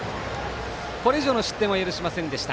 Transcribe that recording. これ以上の失点は許しませんでした。